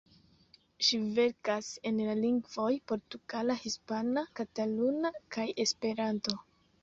Ŝi verkas en la lingvoj portugala, hispana, kataluna kaj Esperanto.